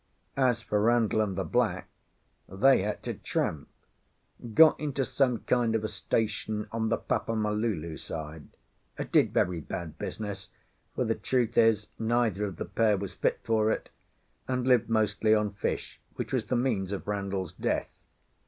As for Randall and the black, they had to tramp; got into some kind of a station on the Papa malulu side; did very bad business, for the truth is neither of the pair was fit for it, and lived mostly on fish, which was the means of Randall's death.